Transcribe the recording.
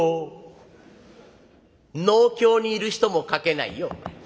農協にいる人も書けないよ。